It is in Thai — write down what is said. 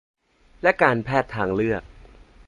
และการแพทย์ทางเลือก